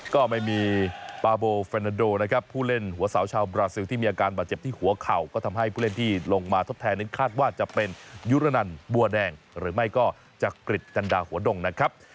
ก็ไม่มีปาโบเฟนาโดนะครับผู้เล่นหัวสาวชาวบราซิลที่มีอาการบาดเจ็บที่หัวเข่าก็ทำให้ผู้เล่นที่ลงมาทดแทนนั้นคาดว่าจะเป็นยุรนันบัวแดงหรือไม่ก็จักริจจันดาหัวดงนะครับ